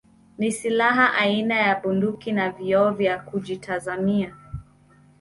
Ni silaha aina ya Bunduki na vioo vya kujitazamia